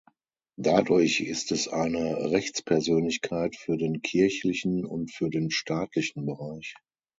Dadurch ist es eine Rechtspersönlichkeit für den kirchlichen und für den staatlichen Bereich.